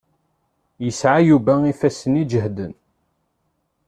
Yesɛa Yuba ifassen iǧehden.